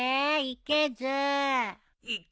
いけず。